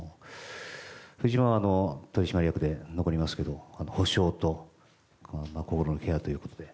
藤島は取締役で残りますけど補償と心のケアということで。